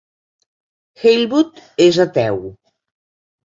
Heilbut és ateu.